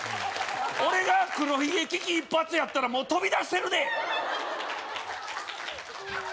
俺が黒ひげ危機一発やったらもう飛び出してるで！